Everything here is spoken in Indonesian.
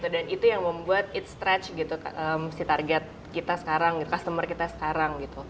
dan itu yang membuat stretch target kita sekarang customer kita sekarang